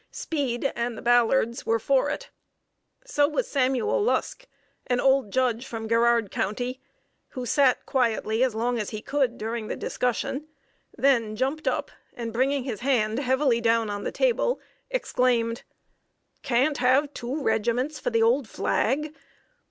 Speed and the Ballards were for it. So was Samuel Lusk, an old judge from Garrard County, who sat quietly as long as he could during the discussion, then jumped up, and bringing his hand heavily down on the table, exclaimed: "Can't have two regiments for the old flag!